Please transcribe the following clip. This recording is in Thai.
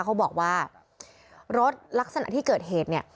เขาบอกว่ารถลักษณะที่เกิดเหตุเนี่ย